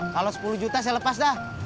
kalau sepuluh juta saya lepas dah